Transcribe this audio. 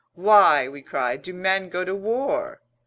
"Why," we cried, "do men go to war?"